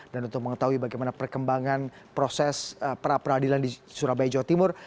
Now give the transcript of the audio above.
dan untuk mengetahui bagaimana perkembangan proses para peradilan di surabaya jawa timur